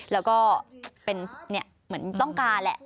แล้วก็เป็นเหมือนต้องการแหละ